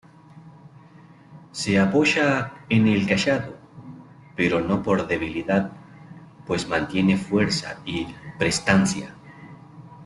Se apoya en el cayado, pero no por debilidad, pues mantiene fuerza y prestancia.